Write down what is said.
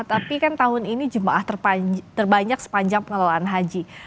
tapi kan tahun ini jemaah terbanyak sepanjang pengelolaan haji